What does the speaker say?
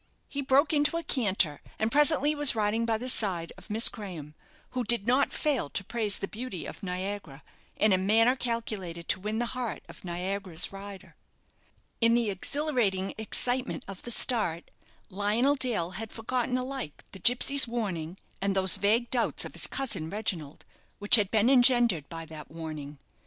He broke into a canter, and presently was riding by the side of Miss Graham, who did not fail to praise the beauty of "Niagara" in a manner calculated to win the heart of Niagara's rider. In the exhilarating excitement of the start, Lionel Dale had forgotten alike the gipsy's warning and those vague doubts of his cousin Reginald which had been engendered by that warning.